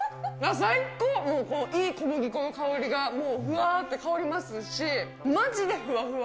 最高、いい小麦粉の香りが、もうふわーって香りますし、まじでふわふわ。